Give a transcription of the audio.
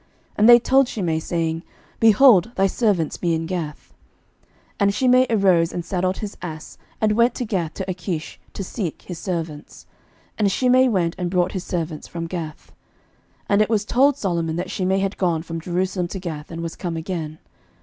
And they told Shimei, saying, Behold, thy servants be in Gath. 11:002:040 And Shimei arose, and saddled his ass, and went to Gath to Achish to seek his servants: and Shimei went, and brought his servants from Gath. 11:002:041 And it was told Solomon that Shimei had gone from Jerusalem to Gath, and was come again.